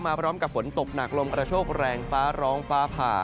พร้อมกับฝนตกหนักลมกระโชคแรงฟ้าร้องฟ้าผ่า